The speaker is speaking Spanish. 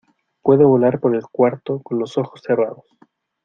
Puedo volar por el cuarto con los ojos cerrados.